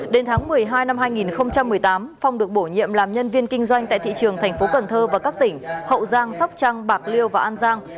đến tháng một mươi hai năm hai nghìn một mươi tám phong được bổ nhiệm làm nhân viên kinh doanh tại thị trường tp cn và các tỉnh hậu giang sóc trăng bạc liêu và an giang